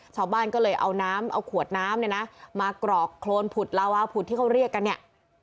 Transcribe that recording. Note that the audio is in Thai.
ชาวบ้านก็เลยเอาน้ำเอาขวดน้ำเนี่ยนะมากรอกโครนผุดลาวาผุดที่เขาเรียกกันเนี่ย